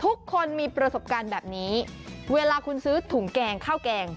ทุกคนมีประสบการณ์แบบนี้เวลาคุณซื้อถุงแกงข้าวแกง